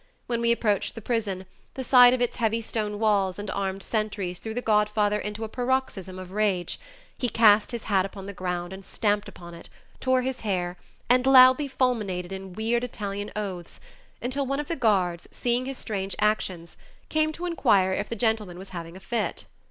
When we approached the prison, the sight of its heavy stone walls and armed sentries threw the godfather into a paroxysm of rage; he cast his hat upon the ground and stamped upon it, tore his hair, and loudly fulminated in weird Italian oaths, until one of the guards, seeing his strange actions, came to inquire if "the gentleman was having a fit."